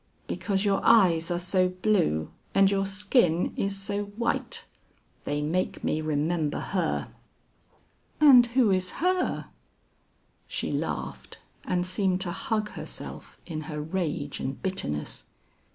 "Because your eyes are so blue and your skin is so white; they make me remember her!" "And who is her?" She laughed and seemed to hug herself in her rage and bitterness.